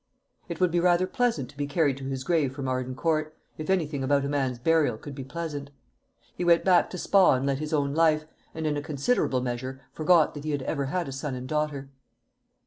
It would be rather pleasant to be carried to his grave from Arden Court, if anything about a man's burial could be pleasant. He went back to Spa and led his own life, and in a considerable measure forgot that he had ever had a son and a daughter.